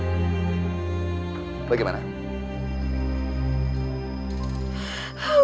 gua harus gimana sekarang